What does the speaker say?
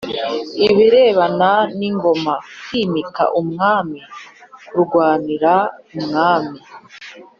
Ibirebana n ingoma kwimika umwami kurwanira ubwami